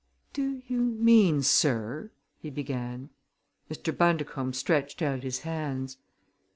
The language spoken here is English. "Do you mean, sir " he began. Mr. Bundercombe stretched out his hands.